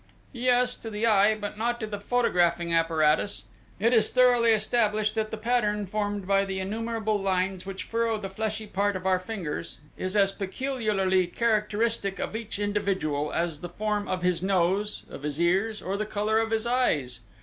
"Yes; to the eye, but not to the photographing apparatus. It is thoroughly established that the pattern formed by the innumerable lines which furrow the fleshy part of our fingers is as peculiarly characteristic of each individual as the form of his nose, of his ears, or the colour of his eyes.